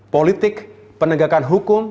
politik penegakan hukum